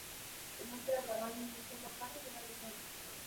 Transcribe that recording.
Se muestra a la banda en un solo carro, lleno de gente.